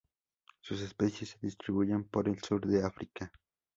Sus especies se distribuyen por el sur de África.